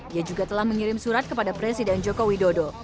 ia juga telah mengirim surat kepada presiden joko widodo